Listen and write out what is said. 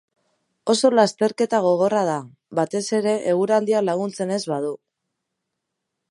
Oso lasterketa gogorra da, batez ere eguraldiak laguntzen ez badu.